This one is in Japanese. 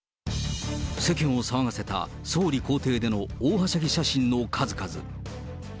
世間を騒がせた総理公邸での大はしゃぎ写真の数々。